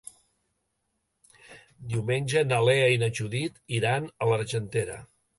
Diumenge na Lea i na Judit iran a l'Argentera.